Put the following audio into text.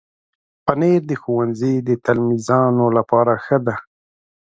پنېر د ښوونځي د تلمیذانو لپاره ښه ده.